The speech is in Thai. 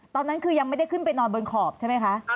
ตอนนั้นคือยังไม่ได้ขึ้นไปนอนบนขอบใช่ไหมคะ